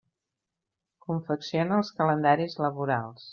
Confecciona els calendaris laborals.